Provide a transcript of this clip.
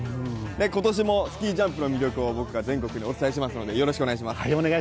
今年もスキージャンプの魅力を僕が全国にお伝えしますのでよろしくお願いします。